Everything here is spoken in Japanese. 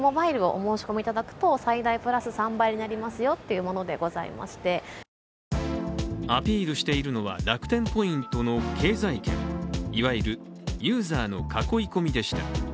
今日、都内の携帯ショップでもアピールしているのは楽天ポイントの経済圏いわゆるユーザーの囲い込みでした。